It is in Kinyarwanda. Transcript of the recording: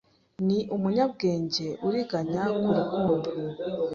ni umunyabwenge uriganya ku rukundo